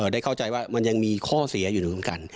ได้เข้าใจว่ามันยังมีข้อเสียอยู่เหมือนกัน